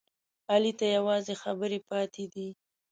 علي ته یوازې خبرې پاتې دي.